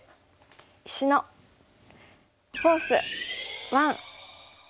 「石のフォース１」。